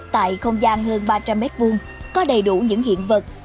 tại không gian hơn ba trăm linh mét vuông có đầy đủ những hiện vật